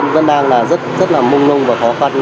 vẫn đang là rất là mung nung và khó khăn